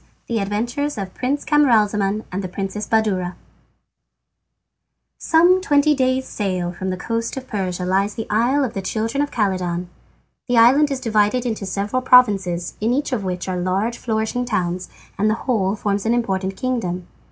The Adventures of Prince Camaralzaman and the Princess Badoura Some twenty days' sail from the coast of Persia lies the isle of the children of Khaledan. The island is divided into several provinces, in each of which are large flourishing towns, and the whole forms an important kingdom.